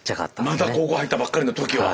まだ高校入ったばっかりの時は。